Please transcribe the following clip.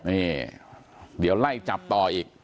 นี่เดี๋ยวไล่จับต่ออีก